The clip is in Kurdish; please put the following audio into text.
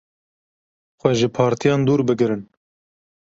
Xwe ji partiyan dûr bigirin.